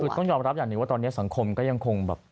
คือต้องยอมรับอย่างหนึ่งว่าตอนนี้สังคมก็ยังคงแบบ